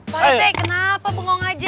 pak rote kenapa bengong aja